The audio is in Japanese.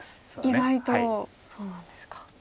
意外とそうなんですか。